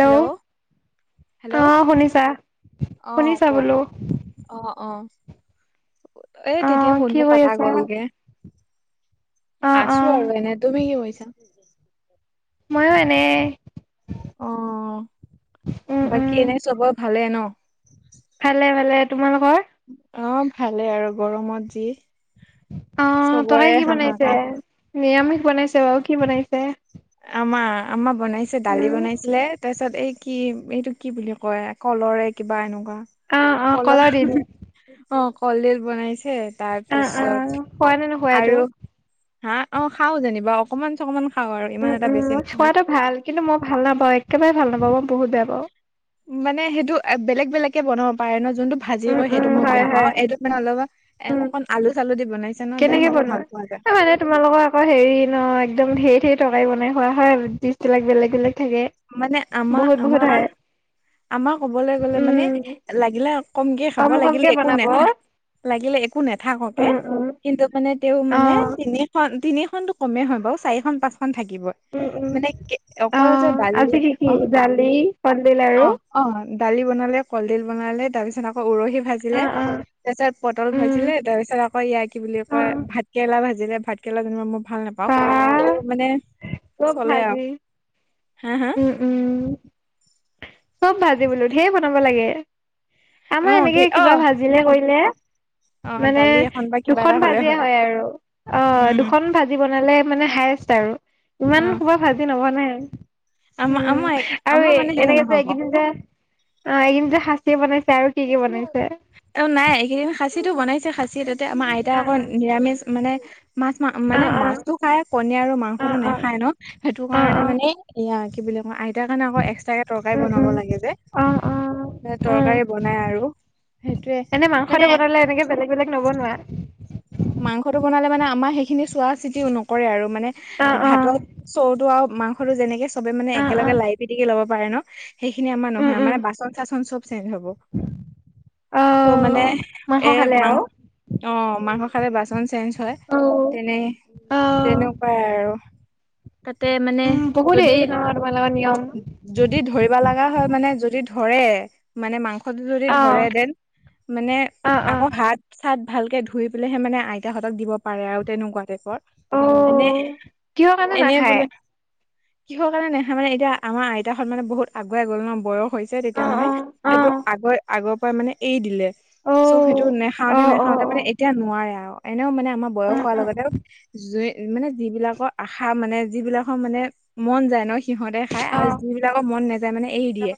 Hello অ hello শুনিছা অ শুনিছা কোৱা বোলো। অ অ এ অ তেতিয়া কি ফোনবোৰ কৰি পটা আছা গ'লগে- অ অ আছো আৰু এনে তুমি কি কৰিছা। ময়ো এনেই অ উম উম বাকী এনে চবৰে ভালে ন ভালে ভালে তোমালোকৰ অ ভালেই আৰু গৰমত যি- অ চবৰে তাকাই কি বনাইছে হাহাকাৰ নিৰামিষ বনাইছে বাৰু কি বনাইছে- আ আমা বনাইছে দালি উম বনাইছিলে তাছত- ত তত এই কি এইটো কি বুলি কয় কলৰে কিবা এন অ অ কলৰ দিল অ কলদিল বনাইছে। তাৰ অ অ পিছত খোৱা নে নোখোৱা এইটো আৰু হা অ খাওঁ যেনিবা অকমান চকমান খাওঁ - উম উম মোক খোৱাতটো ভাল কিন্তু মই ভাল নাপাওঁ একেবাৰে ভাল নাপাওঁ মই বহুত বেয়া পাওঁ। মানে সেইটো বেলেগ বেলেগকে বনাব পাৰে ন যোনটো ভাজি উম কৰে সেইটো উম মই হয় বেয়া হয় পাওঁ এইটো মানে অলপ উম অকণ আলু চালু দি- বনাইছে ন দেন কেনেকে সেইটো বনোৱা ভাল পোৱা যায় এ মানে তোমালোকৰ আকৌ হেৰি ন একদম হে টকাই বনাই খোৱা হয় আৰু ডিচবিলাক বেলেগ বেলেগ থাকে মানে আমাৰ বহুত আমাৰ বহুত হয়। আমাৰ ক'বলৈ গ'লে মানে উম লাগিলে কমকে খাব কম লাগিলে কমকে একো বনাব নেখা উম লাগিলে একো নাথাককে উম। কিন্তু মানে তেওঁ মানে অহ তিনিখন তিনি তিনি খনটো কমেই হয় বা ওঃ চাৰিখন পাঁচ থাকিব উম উম মানে অকল যে অহ দালি আজি কি কি অ দালি কলডিল অ আৰু অ দালি বনালে কলদিল বনালে তাৰপিছত আকৌ উৰহি ভাজিলে অহ অহ তাৰ পিছত পটল উম ভাজিলে তাৰ পিছত আকৌ ইয় কি বুলি কয় অহ ভাত কেৰেলা ভাজিলে দিলে ভাত কেৰেলা যেনিবা মই ভাল নাপাওঁ বা তে মানে চব চলে আৰু ভাজি হা হা উম উম চব ভাজি বোলো ঢেৰ বনাব লাগে অ আমাৰ কি এনেকে অ কিবা ভাজিলে কৰিলে অ মানে দালি এখন বা কিবা দুখন এটা হলে ভাজিয়ে হয় আৰু অ উম দুখন ভাজি ভাজি বনালে মানে হায়ষ্ট আৰু অ ইমান খোবা ভাজি নবনাই, আমাৰ উম! আমাৰ আৰু আমাৰ মানে সেইটো এনেকে যে নহব এইকেইদিন যে অ এইকেইদিন যে খাচি বনাইছে। আৰু কি কি বনাইছে অ নাই এইকেইদিন খাচীটো বনাইছে খাচী তাতে আমাৰ আইতা অ আকৌ নিৰামিষ মানুহ। মানে মাছ অ মানে মাছটো খাই। [unintelligible] অ অ অ মাংটো নেখাই ন সেইটো অ অ কাৰণে অ', মানে এয়া কিবোলি কয় আইতা আইতা কাৰণে আকৌ এক্সট্ৰাকে তৰকাৰী উম বনাব উম লাগে যে অ অ উম তৰকাৰী। বনাই আৰু সেইটোয়ে এনে মানে মাংসতে বনালে এনেকে বেলেগ বেলেগ নবনোৱা। মাংসটো বনালে মানে আমাৰ সেইখিনি চোৱা চিতা নকৰে আৰু মানে অ অ ভাতত চৰুটো আৰু মাংসতো যেনেকে সবে মানে অ অ একেলগে লাই পিটিকি ল'ব পাৰে ন সেইখিনি আমাৰ উম নহয় উম মানে বাচন চাচন চব চে হব অ টো মানে মাংস এ খালে আৰু মাংস অ। খালে বাচন চেঞ্জ হয় অ তেনে অ তেনেকুৱাই আৰু তাতে মানে উম বহুত যদি হেৰি নহয় তোমাৰ লগত নিয়ম যদি ধৰিব লগা হয় মানে যদি ধৰে মানে মাংসটো যদি অ ধৰে দেন মানে অ', আকৌ অ', হাত চাত ভালকৈ ধুই পেলাইহে মানে আইতাহঁতক দিব পাৰে আৰু তেনেকুৱা টাইপত। এনে অ', কিহৰ কাৰণে এনে নাখায়? বোলে। কিহৰ কাৰণে নেহা মানে এতিয়া আমাৰ আইতাহত মানে বহুত আগুৱাই গ'ল ন বয়স হৈছে অ', তেতিয়া মানে অ', সেইটো অ', আগৰ পৰাই মানে এৰি দিলে। চ' সেইটো অ', নেখাওতে অ', নেখাওতে মানে অ', এতিয়া নোৱাৰে আৰু এনেও মানে মাৰ বয়স হোৱাৰ লগতে জুই, মানে যিবিলাকৰ আশা মানে যিবিলাকৰ মানে মন যায় ন, সিহঁতে খাই আৰু যোন বিলাকৰ মন নাযায় মানে এৰি দিয়ে।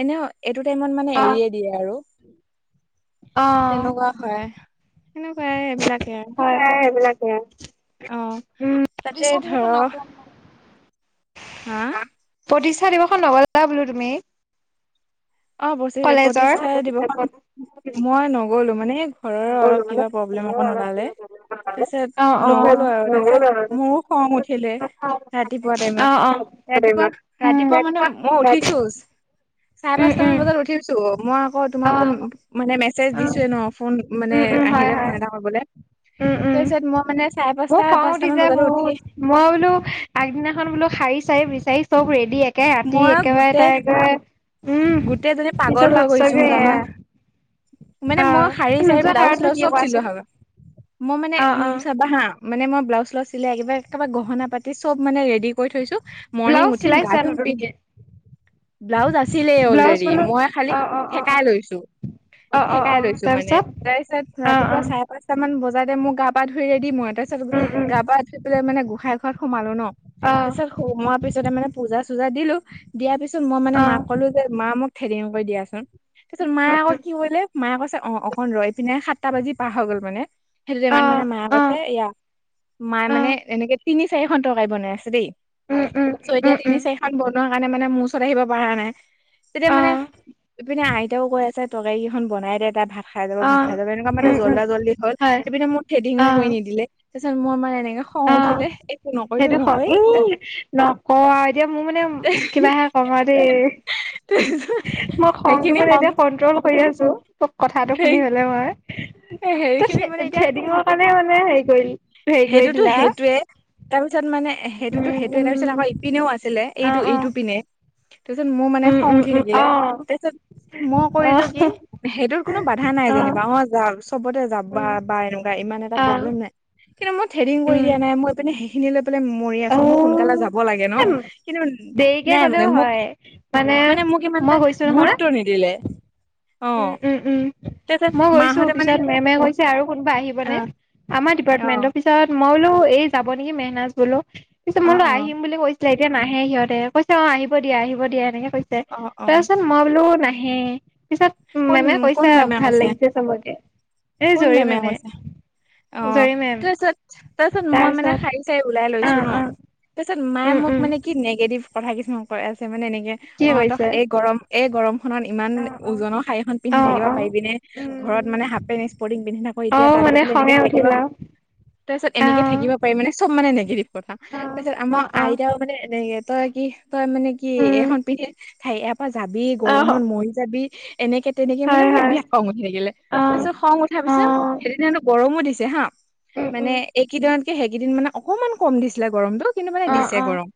এনেও এইটো টাইমত মানে এৰিয়ে দিয়ে আৰু তেনেকুৱা হয়। সেনেকুৱাই এইবিলাকে আৰু হয় এই বিলাকে, অ উম! তাতে পিছত সেই টো ধৰ নকয়। হা! প্ৰতিষ্ঠা দিৱস [unintelligible] বোলো তুমি, অ প্ৰতি কলেজৰ? প্ৰতিষ্ঠা দিৱসত মই নগলো মানে, ঘৰৰ অলপ কিবা প্ৰব্লেম অকন ওলালে। অ', তাৰপিছত অ', নগলো আৰু তাৰপিছত মোৰো খং উঠিলে। ৰাতিপুৱা অ', অ', টাইমত ৰাতিপুৱা উম, ৰাতিপুৱা মানে মই উঠিছো। চাৰে উম, পাঁচটা মান উম, বজাত উঠিছো মই আকৌ তোমাকো অ', মানে মেছেজ অ', দিছো এ ন ফোন মানে উম, উম, হয়, আহিলে ফোন হয়, এটা কৰিবলে উম! উম তাৰপিছত মই মানে চাৰে মোৰ পাঁচটা খং পাঁচটা মান উঠিছে বজাতো উঠি বহুত মই বোলো আগদিনাখন বোলো শাৰী চাৰি বিচাৰি চব ৰেডি একে ৰাতি মই একেবাৰে গোটেই তাই গ গোটেইজনী পাগল হৈ গৈছো এয়া জানানে? মানে অ মই শাৰী চাৰী নোযোৱা ব্লাউজ কাৰণটো চিলাউজ কি চব চিলোৱা কোৱাচোন হ'ল মই মানে অ অ উম চাবা হা মানে মই ব্লাউজ চিলাউজ চিলাই একেবাৰে গহনা পাতি চব মানে ৰেড কৰি থৈছো। মৰ্ণিং ব্লাউজ উঠিম গা চিলাইছা ধূম পিন্ধি নতুনকে ব্লাউজ আ আছিলে ব্লাউজ অলৰেডি বোলো মই খালি অ অ অ অ থেকাই লৈছো। অ অ থেকাই অ লৈছো মানে তাৰপিছত তাৰ পিছত অ অ ৰাতিপুৱা চাৰে পাঁচটা মান বজাত যাতে মোক গা পা ধুই ৰেদি মই তাৰপিছত উম উম গা পা ধুই পেলাই মানে গোঁসাই ঘৰত সোমালো ন অ তাৰ পিছত সোমোৱাৰ পিছতে মানে পূজা চুজা দিলো দিয়াৰ পিছত মই মানে অ মাক ক'লো যে মা মোক থেদিং কৰি দিয়াচোন তাৰপিছত মায়ে উম আকৌ উম কি কৰিলে মায়ে কৈছে অ অকন ৰয় পিনে সাতটা বাজি পাৰ হৈ গ'ল মানে সেইটো অ টাইমত মানে মায় অ অ কৈছে এইয়া মায়ে মানে উম এনেকে তিনি চাৰিখন তৰকাৰী বনাই আছে দেই উম চ এতিয়া উম তিনি উম চাৰিখন বনো কাৰণে মানে মোৰ ওচৰত আহিব পৰা নাই তেতিয়া অ মানে ইপিনে আইতাও কৈ আছে তৰকাৰী কিইখন বনাই দে তাত ভাট খাই যাব অ ভাত খাই যাব এনেকুৱা মানে উম উম জল্দা জল্দি হল হয় এইপি মোৰ থ্ৰেডিঙো অ কৰি নিদিলে তাৰ পিছত মোৰ মানে এনেক অ সেইটো হয় এই নকওঁ আও এতিয়া মোৰ মানে কিবাহে আমাৰে মই খংটো সেইখিনি মানে কম এতিয়া কন্ট্ৰল কৰি আছো কথাটো সেই শুনি পলেই মই ত‌ই হেৰিখিনি মানে থ্ৰে এতিয়া থ্ৰেডিংৰ কাৰণে মানে হেৰি কৰি হেৰি কৰি সেইটোতো দিলা সেইটোয়ে তাৰপিছত মানে। সেইটোতো উম সেইটো এ উম তা পিছত আকৌ ইপিনেও আছিলে অ এইটো অ এইটো পিনে। তাৰপিছত মো মানে উম খং উম উঠি উম থাকিলে অ তাৰপিছত। মই অ কৰিলো কি সেইটোত কোনো বাধা নাই অ যেনিবা মই যাম চবতে যাবা উম বা এনেকোৱা ইমান এটা অ প্ৰব্লেম নাই, কিন্তু মই থ্ৰেডিং কৰি উম দিয়া নাই মো সেইখিনিলে মৰি আছো মোক সোনকালে যাব লাগে ন অ কিন্তু দেৰিকে নাই গলেও মানে মোক হয় মানে মোক মই ইমানটা গৈছো নহয় গুৰুত্ব নিদিলে অ উম উম উম তাৰপিছত মই গৈছো মাহঁতে মানে পিছত মেমে কৈছে আৰু কোনোবা অ আহিবনে আমাৰ অ ডিপাৰ্টমেন্টৰ পিছত মই বোলো এই যাব নেকি মেহনাজ বোলো পিছত অ মই বোলো আহিম বুলি কৈ এতিয়া নাহে সিহঁতে কৈছে অ আহিব দিয়া আহিব দিয়া এনেকে কৈছে অ অ অ তাৰপাছত মই বোলো না হে পিছত উ কোন মেমে কোন কৈছা মেমে ভাল কৈছে লাগিছে চবকে এ কোন জুৰি মেমে কৈছে অ জৰি মেম তাৰপিছত তাৰপিছত মই মানে শাৰী চাৰী ওলাই অ লৈছো ন অ তাৰপিছত মায়ে উম মোক উম মানে কি নিগেটিভ কথা কিছুমান কৈ আছে মানে এনেকে কি অ কৰিছে তহ এই গৰম এই গৰম খনত ইমান অ অ ওজনৰ শাৰীখন অ পিন্ধি থাকিব অ পাৰিবিনে ঘৰত উম মানে হাপে নি স্পৰ্টিং পিন্ধি থাকো অ এতিয়া তাত গৈ মানে পেলাই এনেকে খঙে থাকিব। উঠিল আৰু তাৰপিছত অ এনেকে থাকিব পাৰিম মানে চব মানে নিগেটিভ কথা অ তাৰপিছত অ আমাৰ অ আইতাও মানে এনে তই কি তই মানে কি উম এইখন পিন্ধি ঠাই ইয়াৰ পৰা যাবি অ গৰমত মৰি যাবি এনেকে এনেকে তেনেকে মানে হয় মোক হয় বিৰাত খং উঠি থাকিলে অ', তাৰপিছত খং উঠাৰ পিছত অ', সেইদিনানো গৰমো দিছে হা। উম, মানে উম, এইকেইদিনতকে সেইকেইদিন মানে অকমান কম দিছিলে গৰমতটো কিন্তু মানে অ', দিছে অ', গৰম।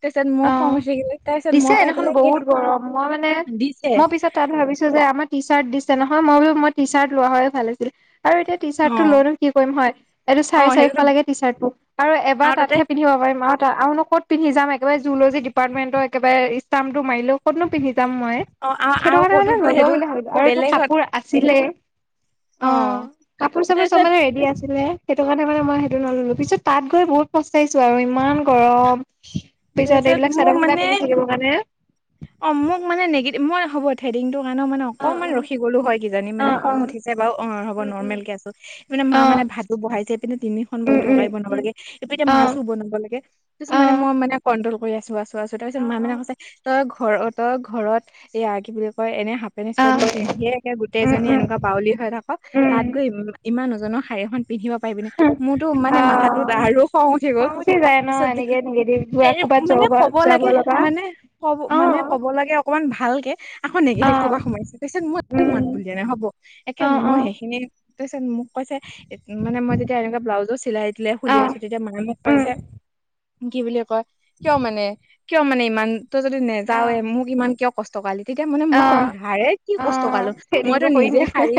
তাৰপিছত মোৰ অ খং উঠি থাকিলে তাৰপিছত দিছে মই পাই সেইদিনাখন পেলাই কে বহুত গৰম মই মানে দিছে মই পিছত তাত ভাবিছো। যে আমাৰ টি চাৰ্ট দিছে নহয় মই বোলো টি চাৰ্ট লোৱা হ'লে ভাল আছিলে। আৰু এতিয়া টি অ চাৰ্ট টো লৈ লো কি কৰিম হয় এইটো অ চাৰি চাৰিশ সেইটোতো লাগে টি চাৰ্ট টো আৰু এবাৰ তাতহে পিন্ধিব পাৰিম। আৰু নো কত পিন্ধি যাম একেবাৰে জুলজি ডিপাৰ্টমেটৰ একবাৰে ইষ্টামটো মাৰিলৈ কতনো পিন্ধিম। যাম মই অ আৰু সেইটো আৰু কাৰণে মানে ক'তোতো নল‌ও সেইটো বুলি ভাবিলো আৰু তোৰ বেলেগত কাপোৰ আছিলে। অ কাপোৰ চাপোৰ চব তাৰপিছত মানে ৰেডি আছিলে। সেইটো কাৰণে মানে মই সেইটো নললো পিছত তাত গৈ বহুত পস্তাইছো আৰু ইমান গৰম। পিছত তাৰপিছত এইবিলাক চাদৰ মোক মেখেলা মানে পিন্ধি থাকিব কাৰণে অ মোক মানে নেগেটিভ মই হ'ব থ্ৰেডিংটো। কাৰণেও মানে অ অকনমান ৰখি গলো হয় কিজানি অ মানে অ খং উঠিছে বাৰু অ হ'ব উম উম নৰ্মেল কে আছো মানে মা অ মানে। ভাতো বহাইছে এইপিনে তিনিখনমান তৰকাৰী বনাব লাগে এইপিনে অ মাছো বনাব লাগে তা পিছত মানে মই মানে। কন্ট্ৰল কৰি আছো আছো আছো তাৰপিছত মা মানে কৈছে তই ঘৰত তই ঘৰত এয়া কি বুলি কয় এনে। সাফপেন্ট অ ইস্পটিং পিন্ধিয়ে একে উম গোটেইজনী উম এনেকুৱা বাউলি হৈ থাকক উম তাত গৈ ইমান ওজনৰ শাৰ়ী এখন। পিন্ধিব পাৰিবি নে মোৰতো মানে অ মাথাটোত আৰু খং উঠি গ'ল যায় ন পিছত। এনেকে নিগেটিভ এ যোৱা ক'বাত মানে যাব ক'ব যাব লাগে লগা মানে ক'ব অ মানে ক'ব লাগে অকমান ভালকে আকৌ অ নিগেটভ সোপা সোমাইছো তা পিছত মই একো মাত উম বুলিয়ে নাই হ'ব একে অ অ মই সেইখিনি তা পিছত মোক। কৈছে মানে মই যেতিয়া এনেকুৱা ব্লাউজো চিলাই দিলে খুলি অ আছো তেতিয়া মায়ে মোক উম কৈছে। কি বুলি কয় কিয় মানে। কিয় মানে ইমান তই যদি অ নেযাৱওৱে মোক ইমান কিয় কষ্ট কৰালি। তেতিয়া মানে অ মোৰ খং উঠিলে কি অ কষ্ট কৰালো মইতো থ্ৰেডিংটো কৰিম নিজে শাৰী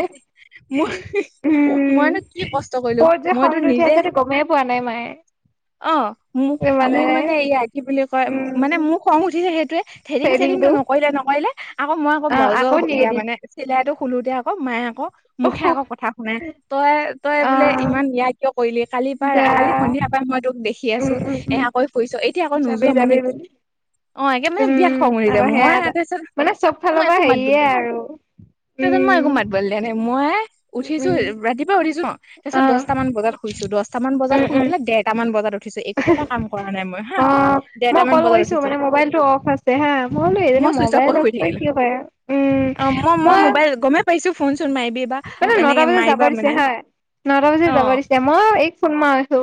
মই উম মইনো কি কষ্ট কৰিলো ক'ত যে মইতো খংটো উঠি নিজে। আছে গমেই পোৱা নাই মায়ে অ মো মো মানে সেয়াই কি বুলি কয় মানে উম মোক খং উঠিছে সেইটোৱে থ্ৰেডিং চেডিংটো চেৰিংটো নকৰিলে নকৰিলে। আকৌ মই আকৌ অ ব্লাউজৰ ইয়া নিগেটিভ মানে চিলাই খোলোতে আকৌ মায়ে আকৌ। মোক হে আকৌ কথা শুনে তই তই অ বোলে ইমান নিয়াই কিয়। কৰিলি কালিৰ পৰা যা কালি সন্ধিয়াৰ পৰা মই তোক দেখি উম আছো উম উম এয়াকৈ পছ এতিয়া আকৌ যাবি নোযোৱা মানে যাবি কি। বুলি অ একে মানে বিৰাট উম খং উঠি যায় আকৌ সেয়া মই এটা তাৰচত মানে চব ফালৰ মই পৰা একো মাত বুল হেৰিয়ে দিয়া নাই। আৰু তহঁতেত মই একো উম মাত বোল দিয়া নাই, মই উম উঠিছো উম ৰাতিপুৱা উঠিছো অ। তাৰ পিছত দহটা মান বজাত শুইছো দহটা মান বজাত উম শুই উম পেল দেৰটা মান বজাত উঠিছো একো এটা কাম। নাই মই হা অ দেৰ মই মান কল বজাত কৰিছো উঠিছো মানে মোবাইলটো অফ আছে হা বোলো এইজনী মই চুইচ অ মোবাইল শু অফ কৰি থাকি। কি কৰে উম অ মই মই মোবাইল গমেই পাইছো। ফোন চোন মাৰিবি বা পানে নটা এনেকে বজাত যাব মাৰিবা দিছে মানে হাই। নটা বজাত অ যাব দিছে মই এই ফোনমা আছো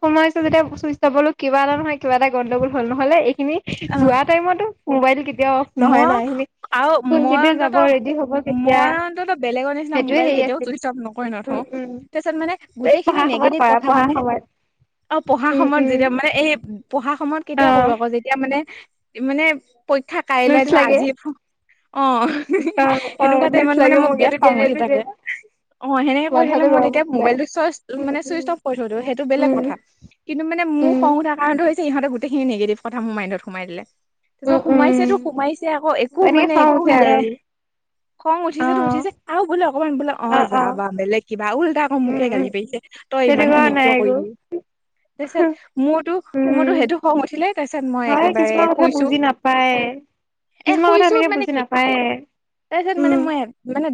ফোন মাৰিছোঁ। যেতিয়া বস্তু চাবলো কিবা এটা নহয় কিবা এটা গণ্ডগোল হল নহ'লে এইখিনি অ যোৱা টাইমতো। মোবাইল কেতিয়াও অফ নহয় মই না এইখিনি আৰু কোন মই কেতিয়া অন্তত যাব ৰেডি হ'ব কেতিয়া মই অন্তত বেলেগ। নি সেইটোয়ে মল হেৰি কেতিয়াও আছিল চুই অফ নক নথ উম উম তাৰপিছত মানে এই পঢ়া সময়ত গোটেইখিনিগেটিভ কৰা কথা পঢ়া মানে। সময়ত অ পঢ়া উম সময়ত উম যেতিয়া মানে এই পঢ়া সমত। অ কেতিয়া কৰো আকৌ যেতিয়া মানে মানে পৰীক্ষা কাইলৈ নোটছ ধৰ লাগে আজি অ। অ অ সেনেকুৱা নোটছ টাইমত মানে লাগে মোৰ মোক বিৰাত এইটো দে খং উঠি এইটো দে থাকে। অ সেনেকে কৰি থাকিলে মাথাটো মই গৰম তেতিয়া উঠি যায় মোবাইলটো চই উম মানে উম চুইচ অফ কৰি থো সেইটো উম কথা কিন্ত। মানে মোৰ খং উম উঠাৰ কাৰণটো হৈছে ইহত গোইখিনি নিগেটিভ কথা মোৰ মাইডত সোমাই দিলে। উম তাৰপিছত সোমাইছেতো উম সোমাইছে আকৌ একো এনেকে মানে খং একো উঠে আৰু হয়াই।। খং অ উঠিছেতো উঠিছে আৰু বোলে অকমান বোলে অহ অ যা অ বা বেলেগ। কিবা উওল্টা উম কমুকে গালি উম পাইছে তই ইমান তেনেকুৱা খিনি নাই কিয় একো কৰিলি। তাৰ পিছত মোৰতো মোৰতো উম সেইটো খং উঠিলে তাৰপিছত মই হয় একেবাৰে কিছুমান কথা শুইছো। বুজি নাপায় এ কিছুমান কথা শুইছো এনেকে মানে বুজি কি, নাপায় তাৰপিছত মানে উম মই।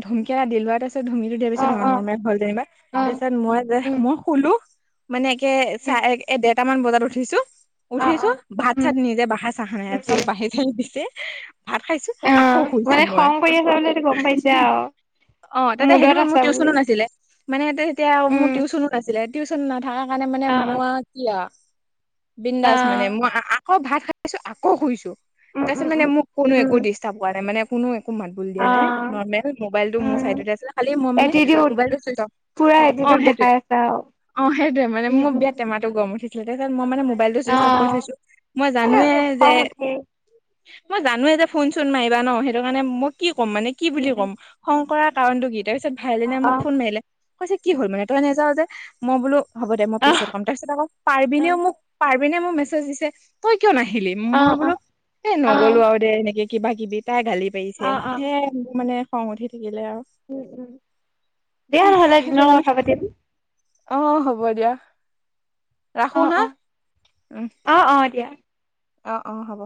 ধুমকেৰা দিলোৱা। ধুমিটো দিয়াৰ অ পিছত আৰু অ নৰ্মেল হল দেবা অ তাৰ পিছ মই যে উম মই শুলো মানে। এ চাহ উম এ দেৰটামান বজাত উঠিছো, অ উঠিছো অ ভাত উম চাত নিজে বাহাৰ চাহ নে। চব বাহি থাকি দিছে, ভাত খাইছো আকৌ শুইছো মই। টো গম পাইছো আহ। অ তাতে সে নহয় মোৰ টিউচনো নাছিলে মানে তেতিয়া মোৰ উম টিউচনো নাছিলে। টিউচন নাথাকা কাৰণে মানে অ অ মোৰ আৰু কি আৰু। অ বিন্দাস মানে মই আকৌ ভাত খাইছো আকৌ শুইছো। উম তাৰপিছত উম মানে মোক কোনো উম একো উম ডিষ্টাৰ্ব কৰা নাই মানে কোনো। মাত বোল দিয়া অ নাই নৰ্মেল মোবাইলটো মোৰ উম চাইততে আছিলে খালি মই মানে এটিটিউড মোবাইলটো চ পুৰা এটিটিউদ দেখাই আছে আৰু। অ সেইটোয়ে মানে উম মোৰ উম বিয়া টেমাটো গম উঠিছে। মই মানে মোবাইলটো চুইচ অফ কৰি থৈছো, মই জানোৱে। খ্ং যে উঠেই। মই জানো যে ফোন চোন মাৰিবা ন সেইটো কাৰণে মই কি ক'ম মানে কি উম বুলি উম ক'ম খ্ং কৰা। কাৰণটো কি তাৰ পিছত অ ভাইলিনাই অ মোক ফোন মাৰিলে কৈছে কি হল মানে তই নাযাও যে মই বোলো। হ'ব দে মই অহ পিছত কম তাৰপিছত আকৌ পাৰ্বিনেও মোক পাৰ্বিনেও মোক মেছেজ দিছে তই কিয় নাহিলি। উ অ অ মই অ বোলো এ নগলো অ'। আৰু দে এনেকে কিবা কিবি তাই গালি পাৰিছে অ', অ', সে মানে। খং উঠি থাকিলে আৰু উম উম দিয়া নহ'লে সেইটো দিনৰ কাৰণে কথা পাতিম। অ হ'ব দিয়া, ৰাখো অ', হা অ', উম। অ', অ', দিয়া। অ অ হ'ব।